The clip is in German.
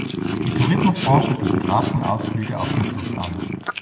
Die Tourismusbranche bietet Rafting-Ausflüge auf dem Fluss an.